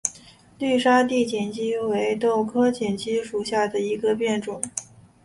绿沙地锦鸡儿为豆科锦鸡儿属下的一个变种。